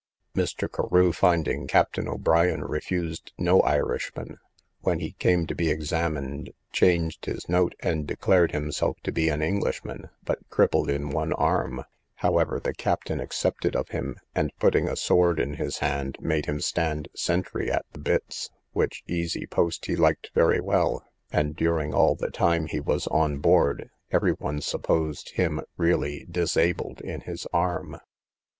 Mr. Carew finding Captain O'Brien refused no Irishmen, when he came to be examined changed his note, and declared himself to be an Englishman, but crippled in one arm: however, the captain accepted of him, and putting a sword in his hand, made him stand sentry at the bitts, which easy post he liked very well; and during all the time he was on board, every one supposed him really disabled in his arm.